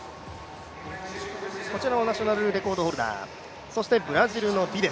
こちらもナショナルレコードホルダー、そしてブラジル。